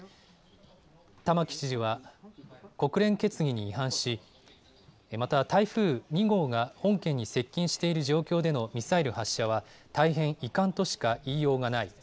玉城知事は、国連決議に違反し、また台風２号が本県に接近している状況でのミサイル発射は大変遺憾としか言いようがない。